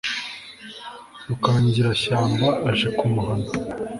rukangirashyamba aje kumuhana